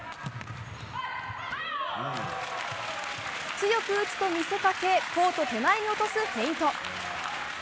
強く打つと見せかけコート手前に落とすフェイント。